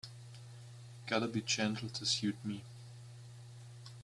Gotta be gentle to suit me.